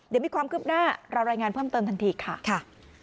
เดี๋ยวมีความคืบหน้าเรารายงานเพิ่มเติมทันทีค่ะ